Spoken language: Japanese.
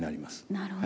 なるほど。